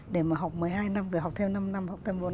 để mà học một mươi hai năm